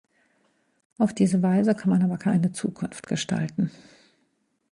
Auf diese Weise kann man aber keine Zukunft gestalten.